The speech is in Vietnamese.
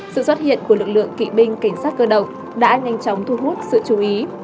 sự xuất hiện của lực lượng kỵ binh cảnh sát cơ động đã nhanh chóng thu hút sự chú ý